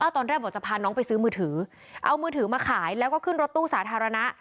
ตอนแรกบอกจะพาน้องไปซื้อมือถือเอามือถือมาขายแล้วก็ขึ้นรถตู้สาธารณะ